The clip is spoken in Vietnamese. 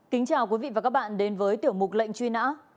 kính chào quý vị và các bạn đến với tiểu mục lệnh truy nã